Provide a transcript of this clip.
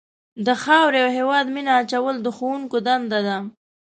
د خاورې او هېواد مینه اچول د ښوونکو دنده ده.